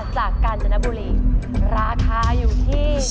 กาญจนบุรีราคาอยู่ที่